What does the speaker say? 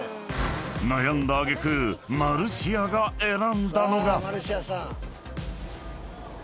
［悩んだ揚げ句マルシアが選んだのが］